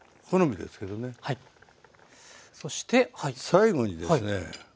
最後にですね